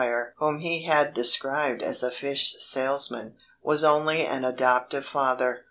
(whom he had described as a fish salesman), was only an adoptive father.